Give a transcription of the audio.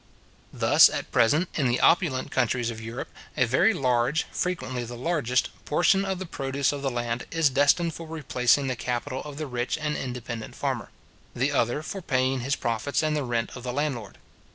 Thus, at present, in the opulent countries of Europe, a very large, frequently the largest, portion of the produce of the land, is destined for replacing the capital of the rich and independent farmer; the other for paying his profits, and the rent of the landlord.